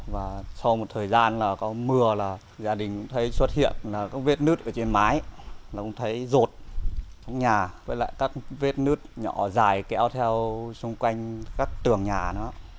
và sau một thời gian là có mưa là gia đình thấy xuất hiện là có vết nứt ở trên mái nó cũng thấy rột trong nhà với lại các vết nứt nhỏ dài kéo theo xung quanh các tường nhà nữa